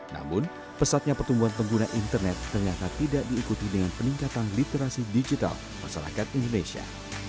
namun pesatnya pertumbuhan pengguna internet ternyata tidak diikuti dengan peningkatan literasi digital masyarakat indonesia